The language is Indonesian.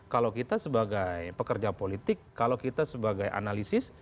kalau kita sebagai pekerja politik kalau kita sebagai analisis